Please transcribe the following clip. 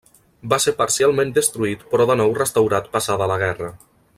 Va ser parcialment destruït però de nou restaurat passada la guerra.